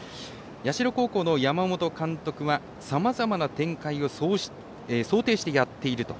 社高校の山本監督はさまざまな展開を想定してやっていると。